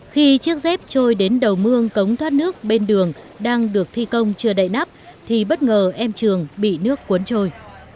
khi chiếc dép trôi đến đầu mương cống thoát nước bên đường đang được thi công chưa đậy nắp thì bất ngờ em trường bị nước cuốn trôi